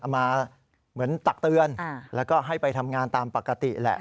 มาเหมือนตักเตือนแล้วก็ให้ไปทำงานตามปกติแหละ